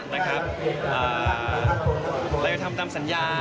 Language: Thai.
เราจะทำตามสัญญา